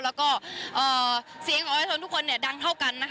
แล้วก็เอ่อเซียงออนไลฟ์ทุกคนเนี่ยดังเท่ากันนะคะ